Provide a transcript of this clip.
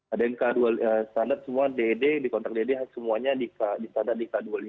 ada yang standar semua ded di kontrak ded semuanya di standar di k dua ratus lima puluh lima